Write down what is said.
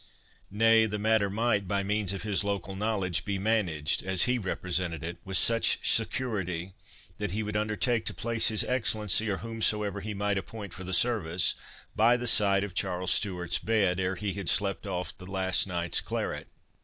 Nay, the matter might, by means of his local knowledge, be managed, as he represented it, with such security, that he would undertake to place his Excellency, or whomsoever he might appoint for the service, by the side of Charles Stewart's bed, ere he had slept off the last night's claret.